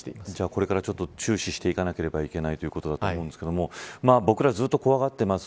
これから注視していかなければいけないということだと思いますが僕ら、ずっと怖がってます